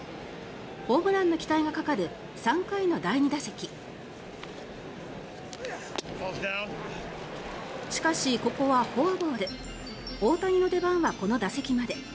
ホームランの期待がかかる３回の第２打席しかし、ここはフォアボール大谷の出番は、この打席まで。